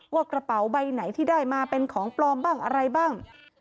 กระเป๋าใบไหนที่ได้มาเป็นของปลอมบ้างอะไรบ้าง